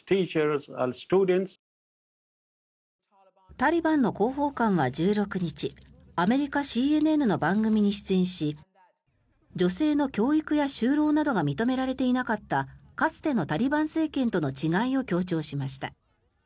タリバンの広報官は１６日アメリカＣＮＮの番組に出演し女性の教育や就労などが認められていなかったかつてのタリバン政権との違いを強調しました。